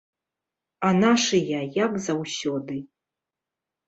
А нашыя як заўсёды.